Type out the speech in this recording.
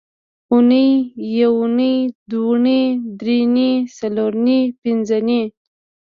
اونۍ یونۍ دونۍ درېنۍ څلورنۍ پینځنۍ